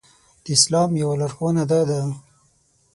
د اسلام يوه لارښوونه دا ده.